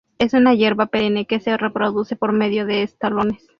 Es una hierba perenne que se reproduce por medio de estolones.